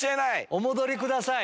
お戻りください。